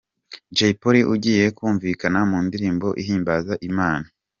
Jay Polly ugiye kumvikana mu ndirimbo ihimbaza Imana.